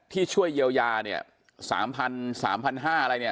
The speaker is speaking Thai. ช่วยเยียวยาเนี่ย๓๐๐๓๕๐๐อะไรเนี่ย